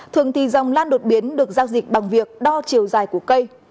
thường thì dòng lan đột biến được giao dịch bằng việc đo chiều dài của cây